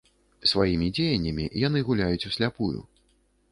Сваімі дзеяннямі яны гуляюць усляпую.